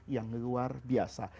yang luar biasa